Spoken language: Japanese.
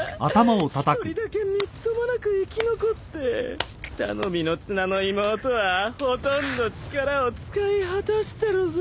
一人だけみっともなく生き残って頼みの綱の妹はほとんど力を使い果たしてるぜ。